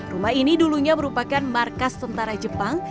rumah ini dulunya merupakan markas tentara jepang